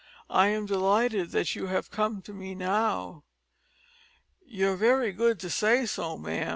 I am delighted that you come to me now." "You're very good to say so, ma'am.